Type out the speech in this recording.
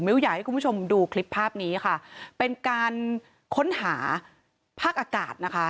อยากให้คุณผู้ชมดูคลิปภาพนี้ค่ะเป็นการค้นหาภาคอากาศนะคะ